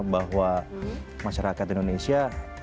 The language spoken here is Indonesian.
bahwa masyarakat indonesia